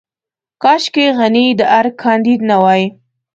کاشکې غني د ارګ کانديد نه وای.